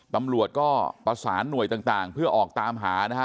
ตำรวจก็ประสานหน่วยต่างเพื่อออกตามหานะฮะ